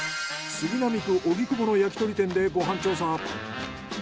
杉並区荻窪の焼き鳥店でご飯調査。